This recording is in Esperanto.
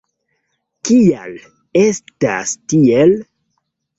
Kial estas tiel?